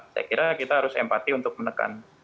jadi kita harus empati untuk menekan